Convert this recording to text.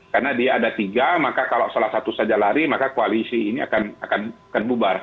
karena dia ada tiga maka kalau salah satu saja lari maka koalisi ini akan bubar